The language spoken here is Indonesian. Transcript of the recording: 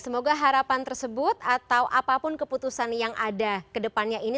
semoga harapan tersebut atau apapun keputusan yang ada kedepannya ini